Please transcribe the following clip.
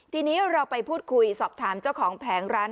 ทีนี้เราไปพูดคุยสอบถามเจ้าของแผงร้าน